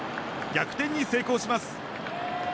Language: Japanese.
逆転に成功します。